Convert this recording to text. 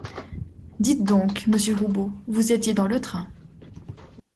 Dites donc, monsieur Roubaud, vous étiez dans le train.